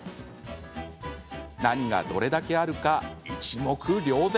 何がどれだけあるか一目瞭然。